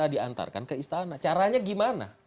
diantarkan ke istana caranya gimana